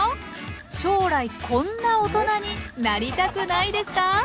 将来こんなおとなになりたくないですか？